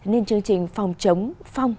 nên chương trình phòng chống phong